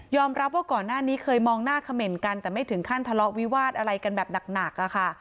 รับว่าก่อนหน้านี้เคยมองหน้าเขม่นกันแต่ไม่ถึงขั้นทะเลาะวิวาสอะไรกันแบบหนักอะค่ะ